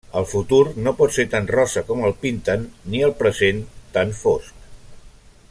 El futur no pot ser tant rosa com el pinten ni el present tan fosc.